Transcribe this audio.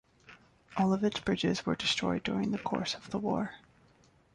All of its bridges were destroyed during the course of the war.